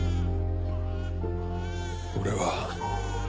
俺は。